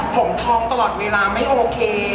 ผมทองตลอดเวลาไม่โอเค